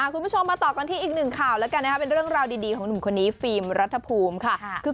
คุณผู้ชมมาต่อกันที่อีก๑ข่าวเป็นเรื่องราวดีของหนุ่มคนนี้ฟิล์มรัฐภูมิ